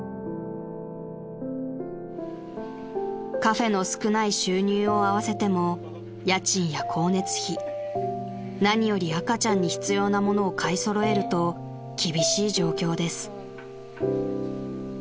［カフェの少ない収入を合わせても家賃や光熱費何より赤ちゃんに必要な物を買い揃えると厳しい状況です］